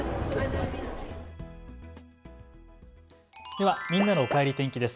ではみんなのおかえり天気です。